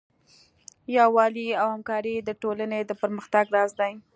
یووالی او همکاري د ټولنې د پرمختګ راز دی.